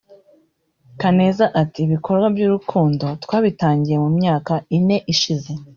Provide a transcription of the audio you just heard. Kaneza ati “Ibikorwa by’urukundo twabitangiye mu myaka ine ishize